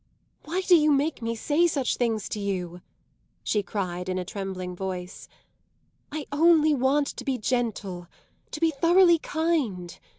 "Why do you make me say such things to you?" she cried in a trembling voice. "I only want to be gentle to be thoroughly kind.